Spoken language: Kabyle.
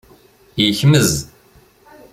Yekmez.